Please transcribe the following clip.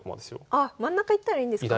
あっ真ん中行ったらいいんですか？